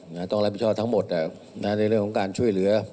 เนื้อต้องรับผิดชอบทั้งหมดจะเซอจะผมการช่วยเหลือ